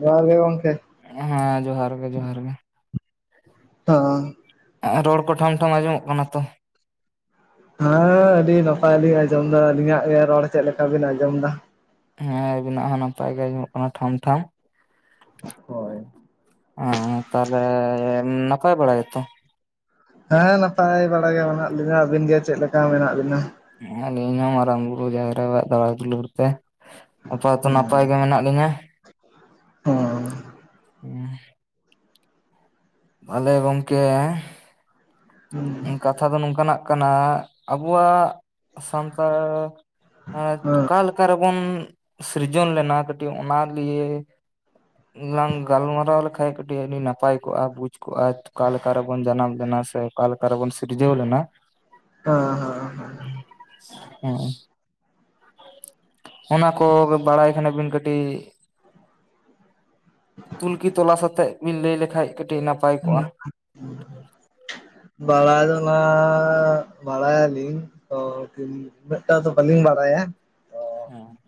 ᱡᱚᱦᱟᱨ ᱜᱮ ᱜᱚᱝᱠᱮ᱾ ᱦᱮᱸ ᱡᱚᱦᱟᱨ ᱜᱮ ᱡᱚᱦᱟᱨ ᱜᱮ᱾ ᱦᱳ ᱨᱚᱲ ᱠᱚ ᱴᱷᱟᱢ ᱴᱷᱟᱢ ᱟᱸᱡᱚᱢᱚᱜ ᱠᱟᱱᱟ ᱛᱚ᱾ ᱦᱮᱸ ᱟᱹᱰᱤ ᱱᱟᱯᱟᱭ ᱞᱤᱧ ᱟᱸᱡᱚᱢ ᱫᱟ ᱟᱹᱞᱤᱧᱟᱜ ᱜᱮ ᱨᱚᱲ ᱪᱮᱫ ᱞᱮᱠᱟ ᱵᱤᱱ ᱟᱸᱡᱚᱢ ᱫᱟ᱾ ᱦᱮᱸ ᱟᱹᱵᱤᱱᱟᱜ ᱦᱚᱸ ᱱᱟᱯᱟᱭ ᱜᱮ ᱟᱸᱡᱚᱢᱚᱜ ᱠᱟᱱᱟ ᱴᱷᱟᱢ ᱴᱷᱟᱢ᱾ ᱦᱳᱭ, ᱚ ᱛᱟᱦᱚᱞᱮ ᱱᱟᱯᱟᱭ ᱵᱟᱲᱟ ᱜᱮᱛᱚ? ᱦᱮᱸ ᱱᱟᱯᱟᱭ ᱵᱟᱲᱟ ᱜᱮ ᱢᱮᱱᱟᱜ ᱞᱤᱧᱟᱹ, ᱟᱹᱵᱤᱱ ᱜᱮ ᱪᱮᱫ ᱞᱮᱠᱟ ᱢᱮᱱᱟᱜ ᱵᱤᱱᱟ? ᱦᱩᱸ ᱟᱞᱤᱧ ᱦᱚᱸ ᱢᱟᱨᱟᱝ ᱵᱩᱨᱩ ᱡᱟᱦᱮᱨ ᱟᱭᱳ ᱟᱜ ᱫᱟᱭᱟ ᱫᱩᱞᱟᱹᱲ ᱛᱮ᱾ ᱟᱯᱟ ᱫᱚᱛᱚ ᱱᱟᱯᱟᱭ ᱜᱮ ᱢᱮᱱᱟᱜ ᱞᱤᱧᱟᱹ᱾ ᱦᱩᱸ ᱦᱩᱸ ᱟᱞᱮ ᱜᱚᱢᱠᱮ ᱠᱟᱛᱷᱟ ᱫᱚ ᱱᱚᱝᱠᱟ ᱱᱟᱜ ᱠᱟᱱᱟ ᱟᱵᱚᱣᱟᱜ ᱥᱟᱱᱛᱟᱲ ᱚᱠᱟ [inaudible] ᱚᱠᱟ ᱨᱮᱵᱚᱱ ᱥᱤᱨᱡᱚᱱ ᱞᱮᱱᱟ ᱠᱟᱹᱴᱤᱡ ᱚᱱᱟ ᱞᱤᱭᱮ [unintelligible] ᱞᱟᱝ ᱜᱟᱞᱢᱟᱨᱟᱣ ᱞᱮᱠᱷᱟᱡ ᱠᱟᱹᱴᱤᱡ ᱟᱹᱰᱤ ᱱᱟᱯᱟᱭ ᱠᱚᱜ-ᱟ ᱵᱩᱡᱽ ᱠᱚᱜ-ᱟ ᱚᱠᱟ ᱞᱮᱠᱟ ᱨᱮᱵᱚᱱ ᱡᱟᱱᱟᱢ ᱞᱮᱱᱟ ᱥᱮ ᱚᱠᱟ ᱞᱮᱠᱟ ᱨᱮ ᱵᱚᱱ ᱥᱤᱨᱡᱟᱹᱣ ᱞᱮᱱᱟ᱾ [unintelligible] ᱦᱩᱸ ᱚᱱᱟ ᱠᱚ ᱵᱟᱲᱟᱭ ᱠᱷᱟᱱᱮ ᱵᱤᱱ ᱠᱟᱹᱴᱤᱡ ᱛᱩᱞᱠᱤ ᱛᱚᱞᱟ ᱥᱟᱛᱮᱜ ᱵᱤᱱ ᱞᱟᱹᱭ ᱞᱮᱠᱷᱟᱱᱡ ᱠᱟᱹᱴᱤᱡ ᱱᱟ- [inaudible] ᱵᱟᱲᱟᱭ ᱫᱚ ᱱᱟᱦᱟᱜ ᱵᱟᱲᱟᱭᱟᱞᱤᱧ ᱛᱚ, ᱢᱤᱫᱴᱟᱝ ᱫᱚ ᱵᱟᱹᱞᱤᱧ ᱵᱟᱲᱟᱭᱟ᱾ ᱚ [inaudible]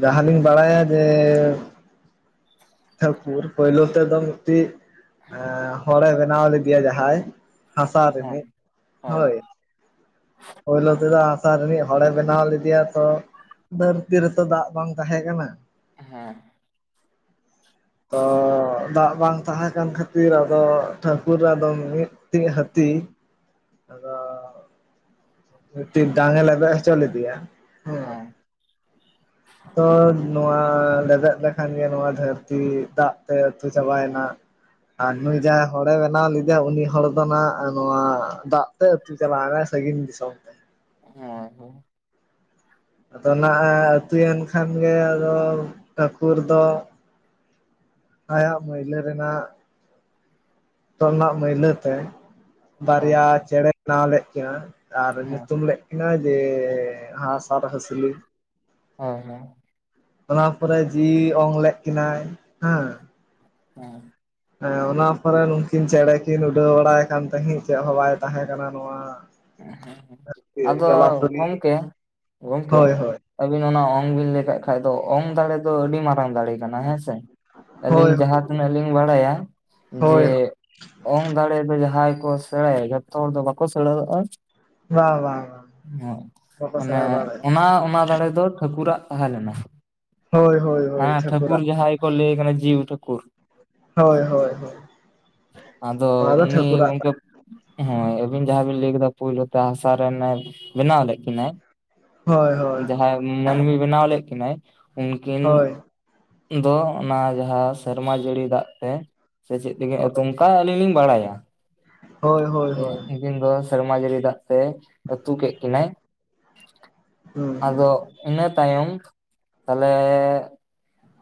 ᱡᱟᱦᱟᱸ ᱞᱤᱧ ᱵᱟᱲᱟᱭᱟ ᱡᱮᱼᱼ ᱴᱷᱟᱠᱩᱨ ᱯᱳᱭᱞᱳ ᱛᱮᱫᱚ ᱢᱤᱫᱴᱤᱡ ᱮᱫ ᱦᱚᱲᱮ ᱵᱮᱱᱟᱣ ᱞᱮᱫᱮᱭᱟ ᱡᱟᱦᱟᱸᱭ᱾ ᱦᱟᱥᱟ ᱦᱮᱸ ᱨᱮᱱᱤᱡ ᱦᱳᱭ᱾ ᱯᱳᱭᱞᱳ ᱛᱮᱫᱚ ᱦᱟᱥᱟ ᱨᱤᱱᱤᱡ ᱦᱚᱲᱮ ᱵᱮᱱᱟᱣ ᱞᱮᱫᱮᱭᱟ ᱛᱚ᱾ ᱫᱷᱟᱹᱨᱛᱤ ᱨᱮᱛᱚ ᱫᱟᱜ ᱵᱟᱝ ᱛᱟᱦᱮᱸ ᱠᱟᱱᱟ᱾ ᱦᱮᱸ᱾ ᱛᱚ ᱫᱟᱜ ᱵᱟᱝ ᱛᱟᱦᱮᱸ ᱠᱟᱱ ᱠᱷᱟᱛᱤᱼᱼ ᱠᱷᱟᱛᱤᱨ ᱟᱫᱚ ᱴᱷᱟᱹᱠᱩᱨ ᱟᱫᱚ ᱢᱤᱫᱴᱤᱡ ᱦᱟᱹᱛᱤᱼᱼ ᱟᱫᱚ, ᱢᱤᱫᱴᱤᱡ ᱰᱟᱝ ᱮ ᱞᱮᱵᱮᱫ ᱦᱚᱪᱚ ᱞᱮᱫᱮᱭᱟ ᱦᱮᱸ᱾ [unintelligible] ᱛᱚ ᱱᱚᱣᱟ ᱞᱮᱵᱮᱫ ᱞᱮᱠᱷᱟᱱ ᱜᱮ ᱱᱚᱣᱟ ᱫᱷᱟᱹᱨᱛᱤ ᱫᱟᱜ ᱛᱮ ᱟᱹᱛᱩ ᱪᱟᱵᱟᱭᱮᱱᱟ᱾ ᱟᱨ ᱱᱩᱭ ᱡᱟᱦᱟᱸᱭ ᱦᱚᱲᱮ ᱵᱮᱱᱟᱣ ᱞᱮᱫᱮᱭᱟ ᱩᱱᱤ ᱦᱚᱲ᱾ ᱟᱫᱚ ᱱᱚᱣᱟ ᱫᱟᱜ ᱛᱮ ᱟᱹᱛᱩ ᱪᱟᱞᱟᱣ ᱱᱟ ᱥᱟᱺᱜᱤᱧ ᱫᱤᱥᱚᱢ᱾ ᱛᱮ ᱦᱮᱸ ᱦᱮᱸ᱾ ᱟᱫᱚ ᱱᱟᱦᱟᱜ ᱮ ᱟᱛᱩᱭᱮᱱ ᱠᱷᱟᱱ ᱜᱮ ᱟᱫᱚ ᱴᱷᱟᱹᱠᱩᱨ ᱫᱚ᱾ ᱟᱭᱟᱜ ᱢᱟᱹᱭᱞᱟᱹ ᱨᱮᱱᱟᱜᱼᱼ ᱦᱚᱴᱚᱜ ᱨᱮᱱᱟᱜ ᱢᱟᱹᱭᱞᱟᱹ ᱛᱮ ᱦᱳᱭ ᱵᱟᱨᱭᱟ ᱪᱮᱬᱮ ᱵᱮᱱᱟᱣ ᱞᱮᱫ ᱠᱤᱱᱟᱹ ᱟᱨ ᱦᱮᱸ ᱧᱩᱛᱩᱢ ᱞᱮᱫᱼᱼ ᱠᱤᱱᱟ ᱡᱮ ᱦᱟᱥ ᱟᱨ ᱦᱟᱹᱥᱞᱤᱼᱼ ᱦᱳᱭ ᱦᱳᱭ᱾ ᱚᱱᱟ ᱯᱚᱨᱮ ᱡᱤᱣᱤ ᱚᱝ ᱞᱮᱫ ᱠᱤᱱᱟᱹᱭ ᱦᱮᱸᱼᱼ [inaudible] ᱦᱮᱸ ᱚᱱᱟ ᱯᱚᱨᱮ ᱱᱩᱠᱤᱱ ᱪᱮᱬᱮ ᱠᱤᱱ ᱩᱰᱟᱹᱣ ᱵᱟᱲᱟᱭ ᱠᱟᱱ ᱛᱟᱦᱮᱫ ᱪᱮᱫ ᱦᱚᱸ ᱵᱟᱭ ᱛᱟᱦᱮ ᱠᱟᱱᱟ ᱱᱚᱣᱟ᱾ ᱟᱫᱚ ᱡᱚᱞᱟᱯᱩᱨᱤ ᱜᱚᱢᱠᱮ ᱜᱚᱢᱠᱮ? ᱦᱳᱭ ᱦᱳᱭ ᱟᱹᱵᱤᱱ ᱚᱱᱟ ᱚᱝ ᱵᱤᱱ ᱞᱟᱹᱭ ᱠᱮᱫ ᱠᱷᱟᱡ ᱫᱚ ᱚᱝ ᱫᱟᱲᱮ ᱫᱚ ᱟᱹᱰᱤ ᱢᱟᱨᱟᱝ ᱫᱟᱲᱮ ᱠᱟᱱᱟ ᱦᱮᱸᱥᱮ᱾ ᱦᱳᱭ ᱟᱹᱞᱤᱧ ᱡᱟᱦᱟᱸ ᱛᱤᱱᱟᱹᱜ ᱞᱤᱧ ᱵᱟᱲᱟᱭᱟ ᱡᱮᱼᱼ ᱦᱳᱭ ᱚᱝ ᱫᱟᱲᱮ ᱫᱚ ᱡᱟᱦᱟᱸᱭ ᱠᱚ ᱥᱮᱬᱟᱭᱟ ᱡᱚᱛᱚ ᱦᱚᱲ ᱫᱚ ᱵᱟᱠᱚ ᱥᱮᱲᱟ ᱫᱟᱲᱮᱟᱜ-ᱟ᱾ ᱵᱟᱝ ᱵᱟᱝ ᱵᱟᱝ᱾ ᱵᱟᱠᱚ ᱢᱟᱱᱮ ᱥᱮᱬᱟ ᱫᱟᱲᱮᱭᱟᱜᱼᱟ ᱚᱱᱟ ᱚᱱᱟ ᱫᱟᱲᱮ ᱫᱚ ᱴᱷᱟᱹᱠᱩᱨᱟᱜ ᱛᱟᱦᱮᱸ ᱞᱮᱱᱟ᱾ ᱦᱳᱭ ᱦᱳᱭ ᱦᱳᱭ ᱦᱮᱸ ᱴᱷᱟᱹᱠᱩᱨ ᱴᱷᱟᱹᱠᱩᱨᱟᱜ᱾ ᱡᱟᱦᱟᱸᱭ ᱠᱚ ᱞᱟᱹᱭ ᱠᱟᱱᱟ ᱡᱤᱣᱤ ᱴᱷᱟᱹᱠᱩᱨ᱾ ᱦᱳᱭ ᱦᱳᱭ ᱦᱳᱭ ᱟᱫᱚ ᱱᱚᱣᱟ ᱫᱚ ᱩᱱᱤ ᱴᱷᱟᱹᱠᱩᱨᱟᱜ ᱩᱱᱠᱩ᱾ ᱛᱟᱦᱮᱸᱫ᱾ ᱦᱳᱭ ᱟᱹᱵᱤᱱ ᱡᱟᱦᱟᱸ ᱵᱤᱱ ᱞᱟᱹᱭ ᱠᱮᱫᱟ ᱯᱳᱭᱞᱳ ᱛᱮ ᱦᱟᱥᱟ ᱨᱮᱱᱮ ᱵᱮᱱᱟᱣ ᱞᱮᱫ ᱠᱤᱱᱟᱹᱭ᱾ ᱦᱳᱭ ᱦᱳᱭ ᱦᱳᱭ ᱡᱟᱦᱟᱸᱭ ᱢᱟᱹᱱᱢᱤ ᱵᱮᱱᱟᱣ ᱞᱮᱫ ᱠᱤᱱᱟᱹᱭ ᱩᱱᱠᱤᱱᱼᱼ ᱦᱳᱭ ᱫᱚ ᱚᱱᱟ ᱡᱟᱦᱟᱸ ᱥᱮᱨᱢᱟ ᱡᱟᱹᱲᱤ ᱫᱟᱜ ᱛᱮ᱾ ᱥᱮ ᱪᱮᱫ ᱛᱮ ᱦᱳᱭ ᱚᱱᱠᱟ ᱟᱹᱞᱤᱧ ᱞᱤᱧ ᱵᱟᱲᱟᱭᱟ ᱩᱱᱠᱤᱱ ᱫᱚᱼᱼ ᱥᱮᱨᱢᱟ ᱡᱟᱹᱲᱤ ᱫᱟᱜ ᱛᱮ ᱟᱹᱛᱩ ᱠᱮᱫ ᱠᱤᱱᱟᱹᱭ ᱟᱫᱚᱼᱼ ᱤᱱᱟᱹ ᱛᱟᱭᱚᱢ ᱛᱟᱦᱚᱞᱮᱼᱼ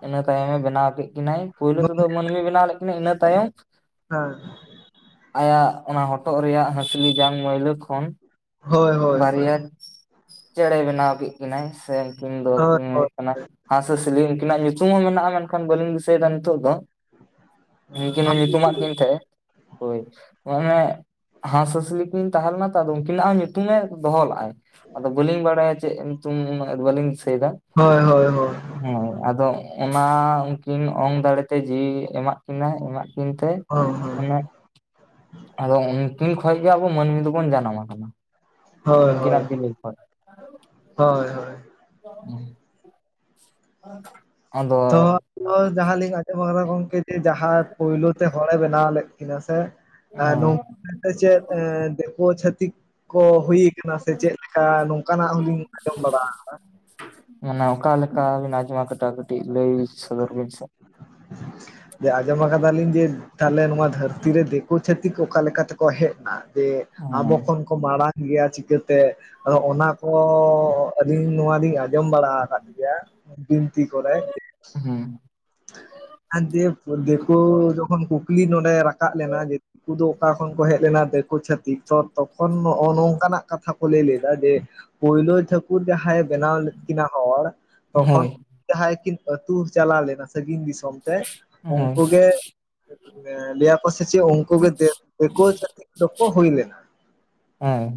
ᱤᱱᱟᱹ ᱛᱟᱭᱚᱢᱮ ᱵᱮᱱᱟᱣ ᱠᱮᱫ ᱠᱤᱱᱟᱹ ᱯᱳᱭᱞᱳ ᱛᱮᱫᱚ ᱢᱟᱹᱱᱢᱤ ᱵᱮᱱᱟᱣ ᱞᱮᱫ ᱠᱤᱱᱟᱹ ᱤᱱᱟᱹ ᱛᱟᱭᱚᱢᱼᱼ ᱦᱮᱸ᱾ ᱟᱭᱟᱜ ᱚᱱᱟ ᱦᱚᱴᱚᱜ ᱨᱮᱭᱟᱜ ᱦᱟᱹᱥᱞᱤ ᱡᱟᱝ ᱢᱟᱹᱭᱞᱟᱹ ᱠᱷᱚᱱ᱾ ᱵᱟᱨᱭᱟ ᱪᱮᱬᱮᱭ ᱵᱮᱱᱟᱣ ᱠᱮᱫ ᱠᱤᱱᱟᱹᱭ ᱥᱮ ᱩᱱᱠᱤᱱ ᱫᱚᱠᱤᱱ ᱦᱩᱭᱩᱜ ᱠᱟᱱᱟ ᱦᱟᱸᱥ ᱦᱟᱥᱤᱞᱤ ᱩᱱᱠᱤᱱᱟᱜ ᱧᱩᱛᱩᱢ ᱦᱚᱸ ᱢᱮᱱᱟᱜᱼᱟ ᱢᱮᱱᱠᱷᱟᱱ ᱵᱟᱹᱞᱤᱧ ᱫᱤᱥᱟᱹᱭᱮᱫᱟ ᱱᱤᱛᱚᱜ ᱫᱚ᱾ ᱩᱱᱠᱤᱱ ᱦᱚᱸ ᱧᱩᱛᱩᱢᱟᱜ ᱠᱤᱱ ᱛᱟᱦᱮᱸᱜ-ᱮ ᱦᱳᱭ᱾ ᱢᱟᱱᱮ ᱦᱟᱸᱥᱼᱦᱟᱸᱥᱞᱤ ᱠᱤᱱ ᱛᱟᱦᱮᱸ ᱞᱮᱱᱟ ᱛᱚ ᱟᱫᱚ ᱩᱱᱠᱤᱱᱟᱜ ᱦᱚᱸ ᱧᱩ ᱛᱩᱢᱮ ᱫᱚᱦᱚ ᱞᱟᱜᱼᱟᱭ᱾ ᱟᱫᱚ ᱵᱟᱹᱞᱤᱧ ᱵᱟᱲᱟᱭᱟ ᱪᱮᱫ ᱧᱩᱛᱩᱢ ᱩᱱᱟᱹᱜ ᱵᱟᱹᱞᱤᱧ ᱫᱤᱥᱟᱹᱭᱫᱟ᱾ ᱦᱳᱭ ᱦᱳᱭ ᱦᱳ ᱦᱳᱸᱭ ᱟᱫᱚ ᱚᱱᱟ ᱩᱱᱠᱤᱱ ᱚᱝ ᱫᱟᱲᱮᱛᱮ ᱡᱤᱣᱤ ᱮᱢᱟᱜ ᱠᱤᱱᱟᱹᱭ ᱮᱢᱟᱜ ᱠᱤᱱᱛᱮ ᱚᱱᱮ ᱟᱫᱚ ᱩᱱᱠᱤᱱ ᱠᱷᱚᱡ ᱜᱮ ᱟᱵᱚ ᱢᱟᱹᱱᱢᱤ ᱫᱚᱵᱚᱱ ᱡᱟᱱᱟᱢ ᱟᱠᱟᱱᱟ᱾ ᱩᱱᱠᱤᱱᱟᱜ ᱵᱤᱞᱤ ᱠᱷᱚᱡ᱾ [inaudible] ᱛᱚ ᱡᱟᱦᱟᱸ [inaudible] ᱡᱟᱦᱟᱸ ᱞᱤᱧ ᱟᱸᱡᱚᱢ ᱠᱟᱫᱟ ᱜᱚᱝᱠᱮ ᱡᱮ ᱡᱟᱦᱟᱸᱭ ᱯᱳᱭᱞᱳ ᱛᱮ ᱦᱚᱲᱮ ᱵᱮᱱᱟ ᱵᱮᱱᱟᱣ ᱞᱮᱫ ᱠᱤᱱᱟ ᱥᱮ ᱦᱳᱭ ᱱᱚᱝᱠᱤᱱ ᱫᱚ ᱪᱮᱫ ᱫᱤᱠᱩ ᱪᱷᱟᱹᱛᱤᱠ ᱠᱚ ᱦᱩᱭ ᱠᱟᱱᱟ ᱥᱮ ᱪᱮᱫᱮᱠᱟ ᱱᱚᱝᱠᱟᱱᱟᱜ ᱦᱚᱸᱞᱤᱧ ᱟᱸᱡᱚᱢ ᱵᱟᱲᱟᱣᱟᱠᱟᱫᱟ᱾ ᱢᱟᱱᱮ ᱚᱠᱟᱞᱮᱠᱟᱵᱤᱱ ᱟᱡᱚᱢ ᱠᱟᱹᱫᱟ ᱠᱟᱹᱴᱤᱡ ᱞᱟᱹᱭ ᱥᱚᱫᱚᱨ ᱵᱤᱱ ᱥᱮ᱾ ᱡᱮ ᱟᱸᱡᱚᱢᱟ ᱠᱟᱫᱟᱞᱤᱧ ᱡᱮ ᱛᱟᱞᱦᱮ ᱱᱚᱣᱟ ᱫᱷᱟᱹᱨᱛᱤ ᱨᱮ ᱫᱤᱠᱩ ᱪᱷᱟᱹ ᱛᱤᱠ ᱚᱠᱟ ᱛᱮᱠᱚ ᱦᱮᱡ ᱮᱱᱟ ᱡᱮ ᱟᱵᱚ ᱦᱮᱸ ᱠᱷᱚᱱ ᱠᱚ ᱢᱟᱲᱟᱝ ᱜᱮᱭᱟ ᱪᱤᱠᱟᱹᱛᱮ? ᱟᱫᱚ ᱚᱱᱟ ᱠᱚ ᱟᱹᱞᱤᱧ ᱱᱚᱣᱟᱞᱤᱧ ᱟᱸᱡᱚᱢ ᱵᱟᱲᱟᱣ ᱟᱠᱟᱫ ᱜᱮᱭᱟ᱾ ᱵᱤᱱᱛᱤ ᱠᱚᱨᱮᱜ᱾ ᱦᱩᱸ᱾ ᱟᱨ ᱫᱮ ᱫᱤᱠᱩ ᱡᱚᱠᱷᱚᱱ ᱠᱩᱠᱞᱤ ᱱᱚᱸᱰᱮ ᱨᱟᱠᱟᱵ ᱞᱮᱱᱟ ᱡᱮ ᱠᱩ ᱫᱚ ᱚᱠᱟ ᱠᱷᱚᱱ ᱠᱚ ᱦᱮᱡ ᱞᱮᱱᱟ ᱫᱤᱠᱩ ᱪᱷᱟᱛᱤᱠ ᱛᱚ ᱛᱚᱠᱷᱚᱱ ᱱᱚᱜᱼᱚ ᱱᱚᱝᱠᱟᱱᱟᱜ ᱠᱟᱛᱷᱟ ᱠᱚ ᱞᱟᱹᱭ ᱞᱮᱫᱟ ᱡᱮ ᱯᱳᱭᱞᱳ ᱴᱷᱟᱹᱠᱩᱨ ᱡᱟᱦᱟᱸᱭ ᱵᱮᱱᱟᱣ ᱞᱮᱫ ᱠᱤᱱᱟ ᱦᱚᱲ ᱛᱚᱠᱷᱚᱱ ᱦᱳᱭ ᱡᱟᱦᱟᱸᱭ ᱠᱤᱱ ᱟᱹᱛᱩ ᱪᱟᱞᱟᱣ ᱞᱮᱱᱟ ᱥᱟᱹᱜᱤᱧ ᱫᱤᱥᱚᱢ ᱛᱮ ᱦᱳᱭ ᱩᱱᱠᱩ ᱜᱮ ᱞᱟᱹᱭᱟᱠ ᱥᱮ ᱪᱮᱫ ᱚᱝᱠᱩ ᱜᱮ ᱫᱮᱠᱳ ᱪᱷᱟᱛᱤᱠ ᱫᱚᱠᱚ ᱦᱩᱭ ᱞᱮᱱᱟ᱾᱾ ᱦᱮᱸ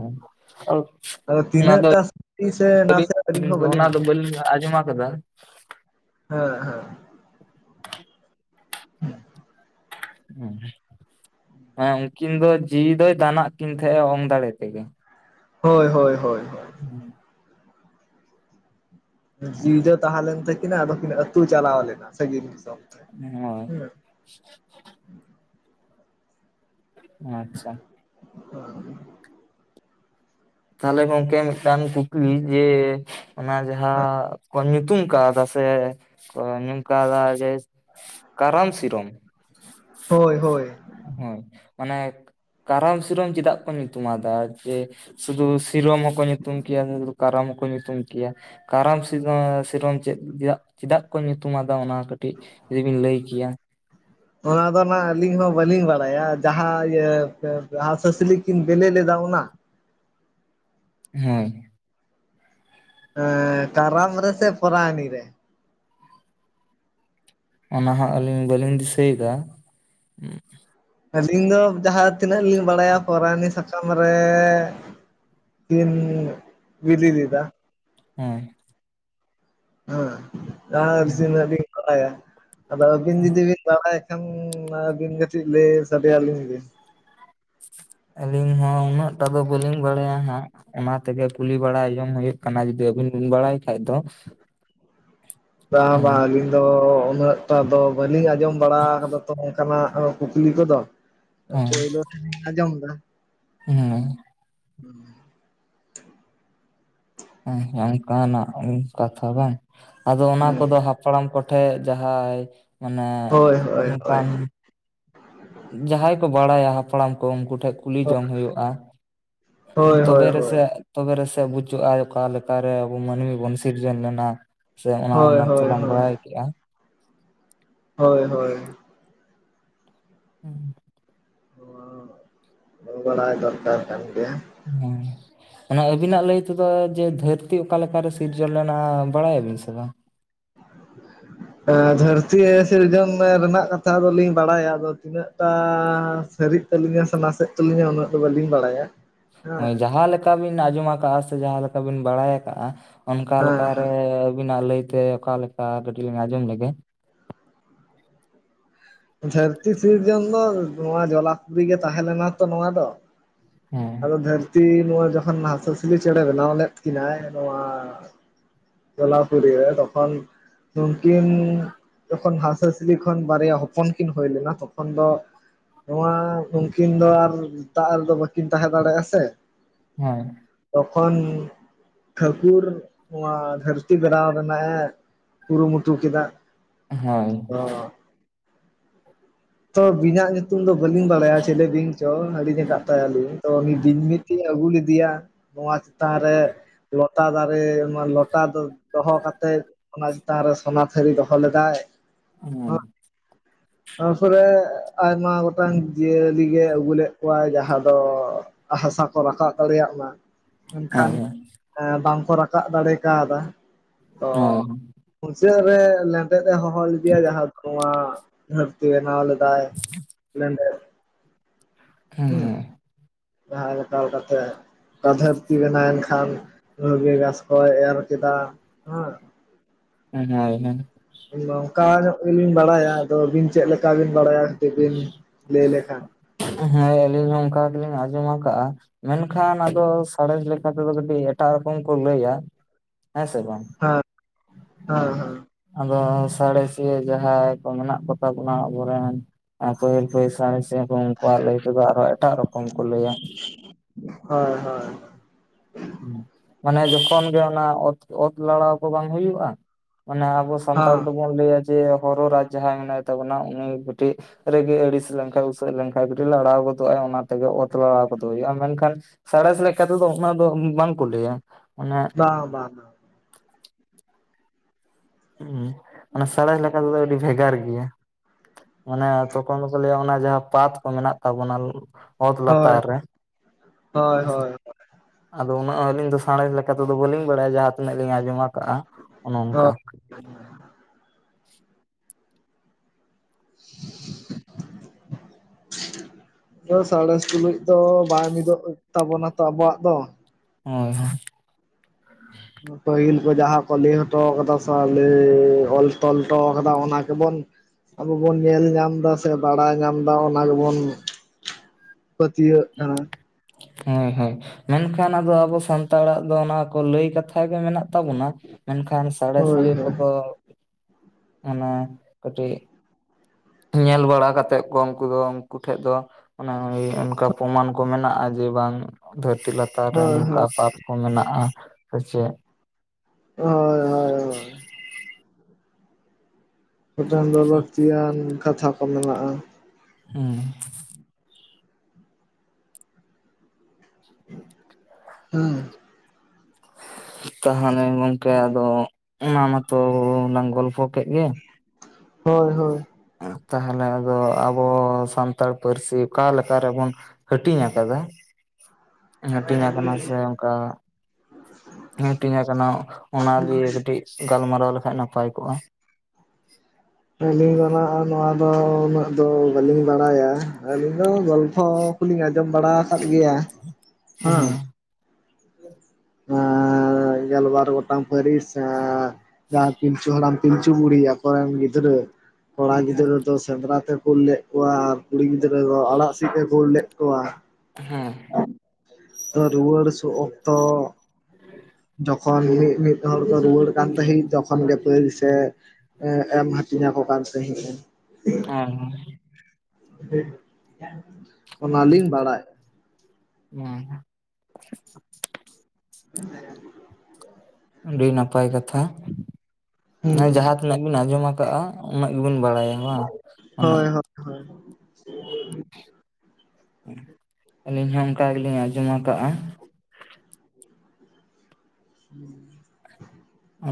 ᱦᱮᱸ᱾ ᱛᱤᱱᱟᱹᱜ ᱟᱫᱚ ᱴᱟ ᱥᱟᱹᱨᱤ ᱥᱮ ᱵᱚᱞᱤ ᱱᱟᱥᱮ ᱟᱹᱞᱤᱧ ᱦᱚᱸ ᱚᱱᱟ ᱵᱟᱹᱞᱤᱧ ᱫᱚ ᱵᱟᱞᱤᱧ ᱟᱡᱚᱢ ᱟᱠᱟᱫᱟ ᱦᱮᱸ ᱦᱮᱸ᱾ ᱦᱮᱸ᱾ ᱢᱟᱱᱮ ᱩᱱᱠᱤᱱ ᱫᱚ ᱡᱤᱣᱤ ᱫᱚᱭ ᱫᱟᱱᱟᱜ ᱠᱤᱱ ᱛᱟᱦᱮᱸᱜᱼᱟ ᱚᱝ ᱫᱟᱲᱮ ᱛᱮᱜᱮ᱾ ᱦᱳᱭ ᱦᱳᱭ ᱦᱳᱭ᱾ ᱦᱩᱸ᱾ ᱡᱤᱣᱤ ᱫᱚ ᱛᱟᱦᱮᱸ ᱞᱮᱱ ᱛᱟᱹᱠᱤᱱᱟ ᱟᱫᱚ ᱠᱤᱱ ᱟᱹᱛᱩ ᱪᱟᱞᱟᱣ ᱞᱮᱱᱟ ᱥᱟᱹᱜᱤᱧ ᱫᱤᱥᱚᱢ᱾ ᱛᱮ ᱦᱳᱭ᱾ ᱦᱮᱸ ᱟᱪᱪᱷᱟ᱾ [inaudible] ᱛᱟᱦᱚᱞᱮ ᱜᱚᱝᱠᱮ ᱢᱤᱫᱴᱟᱝ ᱠᱩᱠᱞᱤ ᱡᱮ ᱚᱱᱟ ᱡᱟᱦᱟᱸ ᱠᱚ ᱧᱩᱛᱩᱢ ᱠᱟᱣᱫᱟ ᱥᱮ ᱠᱚ ᱧᱩᱢ ᱠᱟᱣᱫᱟ ᱡᱮ ᱠᱟᱨᱟᱢ ᱥᱤᱨᱚᱢ᱾ [inaudible] ᱦᱳᱭ ᱦᱳᱭ᱾ ᱦᱳᱭ ᱢᱟᱱᱮ ᱠᱟᱨᱟᱢ ᱥᱤᱨᱚᱢ ᱪᱮᱫᱟᱜ ᱠᱚ ᱧᱩᱛᱩᱢ ᱟᱫᱟ ᱡᱮ ᱥᱩᱫᱩ ᱥᱤᱨᱚᱢ ᱦᱚᱸᱠᱚ ᱧᱩᱛᱩᱢ ᱠᱮᱭᱟ, [unintelligible] ᱠᱟᱨᱟᱢ ᱦᱚᱸᱠᱚ ᱧᱩᱛᱩᱢ ᱠᱮᱭᱟ᱾ ᱠᱟᱨᱟᱢ ᱥᱤᱫᱚᱢ ᱥᱤᱨᱚᱢ ᱪᱮᱫ ᱪᱮᱫᱟᱜ ᱪᱮᱫᱟᱜᱠᱚ ᱧᱩᱛᱩᱢ ᱟᱫᱟ ᱚᱱᱟ ᱠᱟᱹᱴᱤᱡ᱾ ᱡᱩᱫᱤ ᱵᱤᱱ ᱞᱟᱹᱭ ᱠᱮᱭᱟ᱾ [inaudible] ᱚᱱᱟ ᱫᱚ ᱱᱟᱜ ᱟᱹᱞᱤᱧ ᱦᱚᱸ ᱵᱟᱹᱞᱤᱧ ᱵᱟᱲᱟᱭᱟ ᱡᱟᱦᱟᱸ ᱤᱭᱟᱹ ᱦᱟᱸᱥ ᱦᱟᱹᱥᱞᱤ ᱠᱤᱱ ᱵᱮᱞᱮ ᱞᱮᱫᱟ ᱚᱱᱟ? ᱦᱮᱸ ᱾ ᱦᱮ ᱠᱟᱨᱟᱢ ᱨᱮ ᱥᱮ ᱯᱚᱨᱟᱭᱟᱱᱤ ᱨᱮ? ᱚᱱᱟ ᱦᱚᱸ ᱟᱹᱞᱤᱧ ᱵᱟᱹᱞᱤᱧ ᱫᱤᱥᱟᱹᱭᱮᱫᱟ ᱾ ᱟᱹᱞᱤᱧ ᱫᱚ ᱡᱟᱦᱟᱸ ᱛᱤᱱᱟᱹᱜ ᱞᱤᱧ ᱵᱟᱲᱟᱭᱟ ᱯᱚᱨᱟᱱᱤ ᱥᱟᱠᱟᱢ ᱨᱮ ᱠᱤᱱ ᱵᱤᱞᱤ ᱞᱤᱫᱟ ᱾ ᱦᱮᱸ ᱾ [unintelligible] ᱦᱩᱸ ᱟᱫᱚ ᱟᱵᱤᱱ ᱡᱩᱫᱤ ᱵᱤᱱ ᱵᱟᱲᱟᱭ ᱠᱷᱟᱱ ᱟᱵᱤᱱ ᱠᱟᱹᱴᱤᱡ ᱞᱟᱹᱭ ᱥᱟᱰᱮ ᱟᱹᱞᱤᱧ ᱵᱤᱱ ᱟᱹᱞᱤᱧ ᱦᱚᱸ ᱩᱱᱟᱹᱜ ᱴᱟ ᱫᱚ ᱵᱟᱹᱞᱤᱧ ᱵᱟᱲᱟᱭᱟ ᱦᱟᱸᱜ ᱾ ᱚᱱᱟ ᱛᱮᱜᱮ ᱠᱩᱞᱤ ᱵᱟᱲᱟ ᱡᱚᱝ ᱦᱩᱭᱩᱜ ᱠᱟᱱᱟ ᱡᱩᱫᱤ ᱟᱹᱵᱤᱱ ᱵᱤᱱ ᱵᱟᱲᱟᱭ ᱠᱷᱟᱡ ᱫᱚ ᱵᱟᱝ ᱵᱟᱝ ᱦᱮᱸ ᱟᱹᱞᱤᱧ ᱟᱫᱚ ᱩᱱᱟᱹᱜᱴᱟ ᱟᱫᱚ ᱵᱟᱹᱞᱤᱧ ᱟᱸᱡᱚᱢ ᱵᱟᱲᱟ ᱟᱠᱟᱫᱟ ᱛᱚ ᱚᱱᱠᱟᱱᱟᱜ ᱠᱩᱠᱞᱤ ᱠᱚᱫᱚ ᱾ ᱦᱮᱸ [unintelligible] ᱟᱸᱡᱚᱢᱫᱟ ᱾ ᱦᱮᱸ ᱾ ᱦᱩᱸ ᱾ ᱦᱮ ᱚᱱᱠᱟᱱᱟᱜ ᱠᱟᱛᱷᱟ ᱵᱟᱝ ᱟᱫᱚ ᱚᱱᱟ ᱦᱮᱸ ᱠᱚᱫᱚ ᱦᱟᱯᱲᱟᱢ ᱠᱚ ᱴᱷᱮᱡ ᱡᱟᱦᱟᱸᱭ ᱢᱟᱱᱮ ᱦᱳᱭ ᱦᱳᱭ ᱦᱳᱭ ᱚᱱᱠᱟᱱ ᱡᱟᱦᱟᱸᱭ ᱠᱚ ᱵᱟᱲᱟᱭᱟ ᱦᱟᱯᱲᱟᱢ ᱠᱚ ᱩᱱᱠᱩ ᱴᱷᱮᱡ ᱠᱩᱞᱤ ᱡᱚᱝ ᱦᱩᱭᱩᱜᱼᱟ ᱦᱳᱭ ᱦᱳᱭ ᱛᱚᱵᱮ ᱦᱳᱭ ᱦᱳᱭ ᱨᱮᱥᱮ ᱛᱚᱵᱮ ᱨᱮ ᱥᱮ ᱵᱩᱡᱩ-ᱟ ᱚᱠᱟ ᱞᱮᱠᱟᱨᱮ ᱟᱵᱩ ᱢᱟᱹᱱᱢᱤ ᱵᱚᱱ ᱥᱤᱨᱡᱚᱱ ᱞᱮᱱᱟ ᱥᱮ ᱚᱱᱟ ᱦᱳᱭ [inaudible] ᱵᱟᱲᱟᱭ ᱠᱮᱜᱼᱟ ᱾ ᱦᱳᱭ ᱦᱳᱭ ᱾ [inaudible] ᱵᱟᱲᱟᱭ ᱫᱚᱨᱠᱟᱨ ᱠᱟᱱ ᱜᱮᱭᱟ ᱾ ᱦᱮᱸ ᱾ ᱚᱱᱟ ᱟᱹᱵᱤᱱᱟᱜ ᱞᱟᱹᱭ ᱛᱮᱫᱚ ᱡᱮ ᱫᱷᱟᱹᱨᱛᱤ ᱚᱠᱟᱞᱮᱠᱟᱨᱮ ᱥᱤᱨᱡᱚᱱ ᱞᱮᱱᱟ ᱵᱟᱲᱟᱭᱟᱵᱤᱱ ᱥᱮ ᱵᱟᱝ? ᱫᱷᱟᱹᱨᱛᱤ ᱥᱤᱨᱡᱚᱱ ᱨᱮᱱᱟᱜ ᱠᱟᱛᱷᱟ ᱫᱚᱞᱤᱧ ᱵᱟᱲᱟᱭᱟ ᱟᱫᱚ ᱛᱤᱱᱟᱹᱜ ᱴᱟ ᱥᱟᱹᱨᱤᱜ ᱛᱟᱹᱞᱤᱧᱟ ᱥᱮ ᱱᱟᱥᱮᱜ ᱛᱟᱹᱞᱤᱧᱟ ᱩᱱᱟᱹᱜ ᱫᱚ ᱵᱟᱹᱞᱤᱧ ᱵᱟᱲᱟᱭᱟ ᱾ ᱦᱚᱭ ᱡᱟᱸᱦᱟ ᱞᱮᱠᱟ ᱵᱤᱱ ᱟᱸᱡᱚᱢ ᱟᱠᱟᱜᱼᱟ ᱥᱮ ᱡᱟᱦᱟᱸ ᱞᱮᱠᱟ ᱵᱤᱱ ᱵᱟᱲᱟᱭ ᱟᱠᱟᱜᱼᱟ ᱾ ᱚᱱᱠᱟ ᱦᱮᱸ ᱞᱮᱠᱟᱨᱮ ᱦᱮᱸ ᱟᱹᱵᱤᱱᱟᱜ ᱞᱟᱹᱭᱛᱮ ᱚᱠᱟᱞᱮᱠᱟ ᱠᱟᱹᱴᱤᱜ ᱞᱤᱧ ᱟᱸᱡᱚᱢ ᱞᱮᱜᱮ ᱾ ᱫᱷᱟᱹᱨᱛᱤ ᱥᱤᱨᱡᱚᱱ ᱫᱚ ᱱᱚᱣᱟ ᱡᱚᱞᱟᱯᱩᱨᱤ ᱜᱮ ᱛᱟᱦᱮᱸ ᱞᱮᱱᱟ ᱛᱚ ᱱᱚᱣᱟ ᱫᱚ ᱾ ᱦᱮᱸ ᱟᱫᱚ ᱫᱷᱟᱹᱨᱛᱤ ᱱᱚᱣᱟ ᱡᱚᱠᱷᱚᱱ ᱦᱟᱸᱥ ᱦᱟᱹᱥᱞᱤ ᱪᱮᱬᱮ ᱵᱮᱱᱟᱣ ᱞᱮᱫ ᱠᱤᱱᱟᱹ ᱱᱚᱣᱟ ᱡᱚᱞᱟᱯᱩᱨᱤ ᱨᱮ ᱛᱚᱠᱷᱚᱱ ᱱᱩᱱᱠᱤᱱ ᱡᱚᱠᱦᱚᱱ ᱦᱟᱸᱥ ᱦᱟᱸᱥᱞᱤ ᱠᱷᱚᱱ ᱵᱟᱨᱭᱟ ᱦᱚᱯᱚᱱ ᱠᱤᱱ ᱦᱩᱭᱞᱮᱱᱟ ᱛᱚᱠᱷᱚᱱ ᱫᱚ ᱱᱚᱣᱟ ᱩᱱᱠᱤᱱ ᱫᱚ ᱟᱨ ᱫᱟᱜ ᱨᱮᱫᱚ ᱵᱟᱹᱠᱤᱱ ᱛᱟᱦᱮᱸ ᱫᱟᱲᱮᱭᱟᱜᱼᱟ ᱥᱮ ᱦᱮᱸ ᱾ ᱛᱚᱠᱷᱚᱱ ᱴᱷᱟᱹᱠᱩᱨ ᱱᱚᱣᱟ ᱫᱷᱟᱹᱨᱛᱤ ᱵᱮᱱᱟᱣ ᱨᱮᱱᱟᱜ ᱮ ᱠᱩᱨᱩᱢᱩᱴᱩ ᱠᱮᱫᱟ ᱾ ᱦᱳᱭ ᱚ ᱛᱚ ᱵᱤᱱᱟ ᱧᱩᱛᱩᱢ ᱫᱚ ᱵᱟᱹᱞᱤᱧ ᱵᱟᱲᱟᱭᱟ ᱪᱮᱞᱮ ᱵᱤᱧ ᱪᱚ ᱦᱤᱲᱤᱧ ᱟᱠᱟᱫ ᱛᱟᱭᱟᱞᱤᱧ ᱛᱚ ᱩᱱᱤ ᱵᱤᱧ ᱟᱹᱜᱩ ᱞᱮᱫᱮᱭᱟ ᱱᱚᱣᱟ ᱪᱮᱛᱟᱱ ᱨᱮ [unintelligible] ᱞᱚᱴᱟ ᱫᱟᱨᱮ ᱞᱚᱴᱟ ᱫᱚᱦᱚ ᱠᱟᱛᱮᱫ ᱚᱱᱟ ᱪᱮᱛᱟᱱ ᱨᱮ ᱥᱚᱱᱟ ᱛᱷᱟᱹᱨᱤ ᱫᱚᱦᱚ ᱞᱮᱫᱟᱭ [inaudible] ᱱᱚᱣᱟ ᱯᱚᱨᱮ ᱟᱭᱢᱟ ᱜᱚᱴᱟᱝ ᱡᱤᱭᱟᱹᱞᱤ ᱜᱮ ᱟᱜᱩ ᱞᱮᱫ ᱠᱚᱣᱟᱭ ᱡᱟᱦᱟᱸ ᱫᱚ ᱦᱟᱥᱟ ᱠᱚ ᱨᱟᱠᱟᱵ ᱫᱟᱲᱮᱭᱟᱜ ᱢᱟ᱾ ᱢᱮᱱᱠᱷᱟᱱ ᱦᱳᱭ ᱮᱸ ᱵᱟᱝᱠᱚ ᱨᱟᱠᱟᱵ ᱫᱟᱲᱮ ᱠᱟᱣᱫᱟ ᱛᱚ ᱦᱳᱭ ᱢᱩᱪᱟᱹᱫ ᱨᱮ ᱞᱮᱸᱰᱮᱫ-ᱮ ᱦᱚᱦᱚ ᱞᱮᱫᱮᱭᱟ ᱡᱟᱦᱟᱸ [unintelligible] ᱫᱷᱟᱹᱨᱛᱤ ᱵᱮᱱᱟᱣ ᱞᱮᱫ ᱫᱟᱭ ᱞᱮᱸᱰᱮᱫ᱾ ᱦᱩᱸ ᱦᱩᱸ᱾ ᱡᱟᱦᱟᱸᱭ [inaudible] ᱠᱟᱛᱮᱫ [inaudible] ᱫᱷᱟᱹᱨᱛᱤ ᱵᱮᱱᱟᱭ ᱠᱷᱟᱱ ᱫᱷᱩᱵᱤ ᱜᱷᱟᱥ ᱠᱚᱭ ᱮᱨ ᱠᱮᱫᱟ, ᱦᱩᱸ᱾ [unintelligible] ᱱᱚᱝᱠᱟ ᱧᱚᱜ ᱜᱮᱞᱤᱧ ᱵᱟᱲᱟᱭᱟ, ᱟᱫᱚ ᱟᱹᱵᱤᱱ ᱪᱮᱫ ᱞᱮᱠᱟ ᱵᱤᱱ ᱵᱟᱲᱟᱭᱟ ᱠᱟᱹᱴᱤᱡ ᱵᱤᱱ ᱞᱟᱹᱭ ᱞᱮᱠᱷᱟᱱ ᱦᱮᱸ ᱟᱹᱞᱤᱧ ᱦᱚᱸ ᱚᱱᱠᱟ ᱜᱮᱞᱤᱧ ᱟᱸᱡᱚᱢ ᱟᱠᱟᱜᱼᱟ᱾ ᱢᱮᱱᱠᱷᱟᱱ ᱟᱫᱚ ᱥᱟᱬᱮᱥ ᱞᱮᱠᱟ ᱛᱮᱫᱚ ᱠᱟᱹᱴᱤᱡ ᱮᱴᱟᱜ ᱨᱚᱠᱚᱢ ᱠᱚ ᱞᱟᱹᱭᱟ, ᱦᱮᱸ ᱥᱮ ᱵᱟᱝ? ᱦᱮᱸ᱾ ᱦᱮᱸ ᱦᱮᱸ [inaudible] ᱟᱫᱚ ᱥᱟᱲᱮᱥᱤᱭᱟ. ᱡᱟᱦᱟᱸᱭ ᱠᱚ ᱢᱮᱱᱟᱜ ᱠᱚᱛᱟ ᱵᱚᱱᱟ ᱟᱵᱚᱨᱮᱱ ᱯᱟᱹᱦᱤᱞ [unintelligible] ᱩᱱᱠᱩᱣᱟᱜ ᱞᱟᱹᱭ ᱛᱮᱫᱚ ᱟᱨᱦᱚᱸ ᱮᱴᱟᱜ ᱨᱚᱠᱚᱢ ᱠᱚ ᱞᱟᱹᱭᱟ᱾ ᱦᱳᱭ ᱦᱳᱭ᱾ ᱢᱟᱱᱮ ᱡᱚᱠᱷᱚᱱ ᱜᱮ ᱚᱱᱟ ᱚᱛ ᱚᱛ ᱞᱟᱲᱟᱣ ᱠᱚ ᱵᱟᱝ ᱦᱚᱭᱩᱜᱼᱟ ᱢᱟᱱᱮ ᱟᱵᱚ ᱥᱟᱱᱛᱟᱲ ᱦᱮᱸ ᱫᱚᱵᱚᱱ ᱞᱟᱹᱭᱟ ᱡᱮ ᱦᱚᱨᱚ ᱨᱟᱡᱽ ᱡᱟᱦᱟᱸᱭ ᱢᱮᱱᱟᱭ ᱛᱟᱵᱚᱱᱟ ᱩᱱᱤ ᱠᱟᱹᱴᱤᱡ ᱨᱟᱜᱤ ᱟᱹᱲᱤᱥ ᱞᱮᱱᱠᱟᱱᱡ ᱩᱥᱟᱹᱜ ᱞᱮᱱᱠᱟᱱᱡ ᱠᱟᱹᱴᱤᱡ ᱞᱟᱲᱟᱣ ᱜᱚᱫᱚᱜᱼᱟᱭ ᱚᱱᱟ ᱛᱮᱜᱮ ᱚᱛ ᱞᱟᱲᱟᱣ ᱠᱚᱫᱚ ᱦᱩᱭᱩᱜᱼᱟ ᱢᱮᱱᱠᱷᱟᱱ ᱥᱟᱬᱮᱥ ᱞᱮᱠᱟ ᱛᱮᱫᱚ ᱚᱱᱟ ᱫᱚ ᱵᱟᱝᱠᱚ ᱞᱟᱹᱭᱟ, ᱚᱱᱮ ᱵᱟᱝ ᱵᱟᱝ ᱵᱟᱝ᱾ ᱦᱩᱸ ᱚᱱᱟ ᱥᱟᱲᱮᱥ ᱞᱮᱠᱟ ᱛᱮᱫᱚ ᱟᱹᱰᱤ ᱵᱷᱮᱜᱟᱨ ᱜᱮᱭᱟ᱾ ᱢᱟᱱᱮ ᱛᱚᱠᱷᱚᱱ ᱫᱚᱠᱚ ᱞᱟᱹᱭᱟ ᱚᱱᱟ ᱡᱟᱦᱟᱸ ᱯᱟᱛ ᱠᱚ ᱢᱮᱱᱟᱜ ᱛᱟᱵᱚᱱᱟ ᱚᱛ ᱦᱳᱭ ᱞᱟᱛᱟᱨ ᱨᱮ, ᱦᱳᱭ ᱦᱮᱸ ᱥᱮ? ᱦᱳᱭ ᱟᱫᱚ ᱩᱱᱟᱹᱜ ᱦᱚᱸ ᱟᱞᱤᱧ ᱫᱚ ᱥᱟᱬᱮᱥ ᱞᱮᱠᱟ ᱛᱮᱫᱚ ᱵᱟᱹᱞᱤᱧ ᱵᱟᱲᱟᱭᱟ ᱡᱟᱦᱟᱸ ᱛᱤᱱᱟᱹᱜ ᱞᱤᱧ ᱟᱸ ᱟᱡᱚᱢ ᱠᱟᱜᱼᱟ ᱚᱱᱮ ᱚᱱᱠᱟ᱾ [inaudible] [inaudible] ᱟᱫᱚ ᱥᱟᱬᱮᱥ ᱛᱩᱞᱩᱡ ᱫᱚ ᱵᱟᱭ ᱢᱤᱫᱚᱜ ᱛᱟᱵᱚᱱᱟ ᱛᱚ ᱟᱵᱚᱣᱟᱜ ᱫᱚ᱾ ᱦᱳᱭ ᱦᱳᱭ᱾ ᱯᱟᱹᱦᱤᱞ ᱠᱚ ᱡᱟᱦᱟᱸ ᱠᱚ ᱞᱟᱹᱭ ᱦᱚᱴᱚ ᱠᱟᱫᱟ ᱥᱮ ᱥᱟᱹᱣ ᱚᱞ ᱛᱚᱞ ᱦᱚᱴᱚ ᱠᱟᱫᱟ ᱚᱱᱟ ᱠᱚᱵᱚᱱ ᱟᱵᱚ ᱵᱚᱱ ᱧᱮᱞ ᱧᱟᱢ ᱫᱟ ᱥᱮ ᱵᱟᱲᱟᱭ ᱧᱟᱢᱫᱟ ᱚᱱᱟ ᱜᱮᱵᱚᱱ ᱯᱟᱹᱛᱭᱟᱹᱜ ᱠᱟᱱᱟ᱾ ᱦᱳᱭ ᱦᱳᱭ᱾ ᱢᱮᱱᱠᱷᱟᱱ ᱟᱫᱚ ᱟᱵᱚ ᱥᱟᱱᱛᱟᱲᱟᱜ ᱫᱚ ᱚᱱᱟ ᱠᱚ ᱞᱟᱹᱭ ᱠᱟᱛᱷᱟ ᱜᱮ ᱢᱮᱱᱟᱜ ᱛᱟᱵᱚᱱᱟ ᱢᱮᱱᱠᱷᱟᱱ ᱦᱳᱭ ᱦᱳᱭ ᱥᱟᱬᱮᱥᱤᱭᱟᱹ ᱠᱚᱫᱚ ᱚᱱᱟ ᱠᱟᱹᱴᱤᱡ ᱧᱮᱞ ᱵᱟᱲᱟ ᱠᱟᱛᱮᱫ ᱠᱚ ᱩᱱᱠᱩ ᱫᱚ ᱩᱱᱠᱩ ᱴᱷᱮᱡ ᱫᱚ ᱚᱱᱮ ᱤᱭᱟᱹ ᱚᱱᱠᱟ ᱯᱨᱚᱢᱟᱱ ᱠᱚ ᱢᱮᱱᱟᱜᱼᱟ ᱡᱮ ᱵᱟᱝ ᱫᱷᱟᱹᱨᱛᱤ ᱞᱟ ᱛᱟᱨ ᱨᱮ ᱦᱳᱭ ᱱᱚᱝᱠᱟ ᱦᱳᱭ ᱯᱟᱛ ᱠᱚ ᱢᱮᱱᱟᱜᱼᱟ, ᱥᱮ ᱪᱮᱫ? ᱦᱳᱭ ᱦᱳᱭ ᱦᱳᱭ᱾ ᱢᱤᱫᱴᱮᱱ ᱫᱚ ᱞᱟᱹᱠᱛᱤᱭᱟᱱ ᱠᱟᱛᱷᱟ ᱠᱚ ᱢᱮᱱᱟᱜᱼᱟ᱾ ᱦᱩᱸ᱾ ᱦᱩᱸ᱾ ᱛᱟᱦᱚᱞᱮ ᱜᱚᱝᱠᱮ ᱟᱫᱚ, ᱚᱱᱟ ᱢᱟᱛᱚ ᱞᱟᱝ ᱜᱚᱞᱯᱷᱚ ᱠᱮᱫ ᱜᱮ᱾ ᱦᱳᱭ ᱦᱳᱭ᱾ ᱛᱟᱦᱚᱞᱮ ᱟᱫᱚ ᱟᱵᱚ ᱥᱟᱱᱛᱟᱲ ᱯᱟᱹᱨᱥᱤ ᱚᱠᱟ ᱞᱮᱠᱟ ᱨᱮᱵᱚᱱ ᱦᱟᱹᱴᱤᱧ ᱟᱠᱟᱫᱟ, ᱦᱟᱹᱴᱤᱧ ᱟᱠᱟᱱᱟ ᱥᱮ ᱚᱱᱠᱟ [inaudible] ᱦᱟᱹᱴᱤᱧ ᱟᱠᱟᱱᱟᱜ ᱚᱱᱟ ᱞᱤᱭᱟ. ᱠᱟᱹᱴᱤᱡ, ᱜᱟᱞᱢᱟᱨᱟᱣ ᱞᱮᱠᱷᱟᱡ ᱱᱟᱯᱟᱭ ᱠᱚᱜ-ᱟ ᱟᱹᱞᱤᱧ ᱫᱚ ᱱᱟᱦ ᱱᱚᱣᱟ ᱫᱚ ᱩᱱᱟᱹᱜ ᱫᱚ ᱵᱟᱞᱤᱧ ᱵᱟᱲᱟᱭᱟ ᱟᱹᱞᱤᱧ ᱫᱚ ᱜᱚᱞᱯᱷᱚ ᱠᱚᱞᱤᱧ ᱟᱸᱡᱚᱢ ᱵᱟᱲᱟ ᱟᱠᱟᱫ ᱜᱮᱭᱟ [inaudible] ᱦᱟᱸ ᱦᱮᱸ [inaudible] ᱱᱚᱣᱟ ᱜᱮᱞᱵᱟᱨ ᱜᱚᱴᱟᱝ, ᱦᱟᱲᱟᱢ ᱯᱟᱹᱨᱤᱥ ᱡᱟᱦᱟᱸ ᱯᱤᱞᱪᱩ ᱦᱟᱲᱟᱢ ᱯᱤᱞᱪᱩ ᱵᱩᱲᱦᱤ ᱟᱠᱚᱨᱮᱱ ᱜᱤᱫᱽᱨᱟᱹ, ᱠᱚᱲᱟ ᱜᱤᱫᱽᱨᱟᱹ ᱫᱚ ᱥᱮᱸᱫᱽᱨᱟ ᱛᱮ ᱠᱩᱞ ᱞᱮᱫ ᱠᱚᱣᱟ ᱟᱨ ᱠᱩᱲᱤ ᱜᱤᱫᱽᱨᱟᱹ ᱫᱚ ᱟᱲᱟᱜ ᱥᱤᱫ-ᱮ ᱠᱩᱞ ᱞᱮᱫ ᱠᱚᱣᱟ᱾ ᱦᱮᱸ ᱛᱚ ᱨᱩᱣᱟᱹᱲ ᱥᱩ ᱚᱠᱛᱚ, [inaudible] ᱡᱚᱠᱷᱚᱱ ᱢᱤᱫ ᱢᱤᱫ ᱦᱚᱲ ᱠᱚ ᱨᱩᱣᱟᱹᱲ ᱠᱟᱱ ᱛᱟᱦᱮᱸᱜ ᱛᱚᱠᱷᱚᱱ ᱜᱮ ᱯᱟᱹᱨᱤᱥ ᱥᱮ, ᱮᱢ ᱦᱟᱹᱴᱤᱧ ᱟᱠᱚ ᱠᱟᱱ ᱛᱟᱦᱮᱸᱫ ᱮᱻ [unintelligible] ᱦᱚᱭᱻᱦᱚᱭ [unintelligible] [unintelligible] ᱚᱱᱟᱞᱤᱧ ᱵᱟᱲᱟᱭᱟ ᱦᱮᱸᱻᱦᱮᱸ [inaudible] ᱟᱹᱰᱤ ᱱᱟᱯᱟᱭ ᱠᱟᱛᱷᱟ ᱦᱩᱸ ᱟᱨ ᱡᱟᱦᱟᱸ, ᱛᱤᱱᱟᱹᱜ ᱵᱤᱱ ᱟᱸᱡᱚᱢ ᱟᱠᱟᱫ-ᱟ ᱩᱱᱟᱹᱜ ᱜᱮᱵᱤᱱ ᱵᱟᱲᱟᱭᱟ᱾ ᱵᱟᱝ [inaudible] ᱚᱱᱮ ᱦᱳᱭ ᱦᱳᱭ ᱦᱳᱭ [inaudible] ᱟᱹᱞᱤᱧ ᱦᱚᱸ ᱚᱱᱠᱟ ᱜᱮᱞᱤᱧ ᱟᱸᱡᱚᱢ ᱟᱠᱟᱜ-ᱟ᱾ [inaudible]